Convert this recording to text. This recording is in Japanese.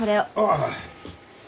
ああ。